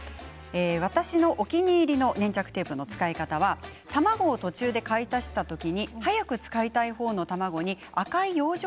私のお気に入りの粘着テープの使い方は卵を途中で買い足した時に早く使いたい方の卵に赤い養生